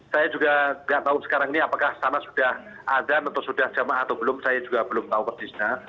saya juga nggak tahu sekarang ini apakah sana sudah azan atau sudah jamaah atau belum saya juga belum tahu persisnya